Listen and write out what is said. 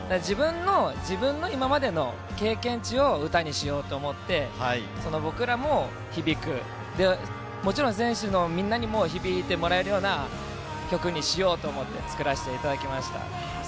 自分の今までの経験値を歌にしようと思って、僕らも響く、もちろん選手のみんなにも響いてもらえるような曲にしようと思って作らせていただきました。